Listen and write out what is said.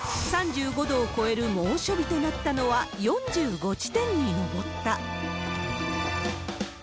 ３５度を超える猛暑日となったのは４５地点に上った。